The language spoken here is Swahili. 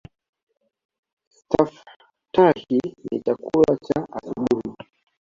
Staftahi ni chakula cha asubuhi.